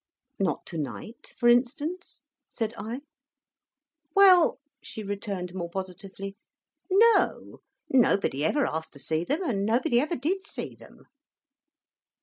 "Not to night, for instance!" said I. "Well!" she returned more positively, "no. Nobody ever asked to see them, and nobody ever did see them."